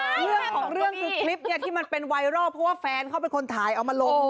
ของเรื่องคลิปเนี่ยที่มันเป็นไวรอลเพราะว่าแฟนเขาเป็นคนถ่ายเอามาลง